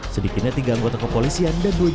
sedikitnya tiga anggota kepolisian dan dua